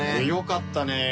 よかったね。